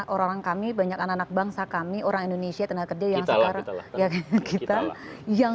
orang orang kami banyak anak anak bangsa kami orang indonesia tenaga kerja yang sekarang ya kita yang